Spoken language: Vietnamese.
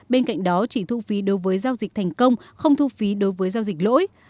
bên cạnh đó chỉ thu phí đối với giao dịch thành công không thu phí đối với giao dịch lỗi